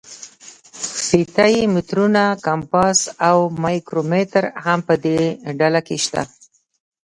فیته یي مترونه، کمپاس او مایکرومتر هم په دې ډله کې شته.